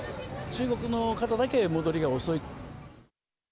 中国の方だけ戻りが遅い。